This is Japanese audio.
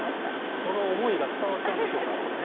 その思いが伝わったんでしょうか、これね。